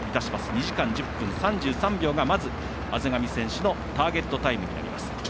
２時間１０分３３秒まず、畔上選手のターゲットタイムになります。